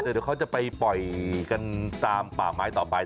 เดี๋ยวเขาจะไปปล่อยกันตามป่าไม้ต่อไป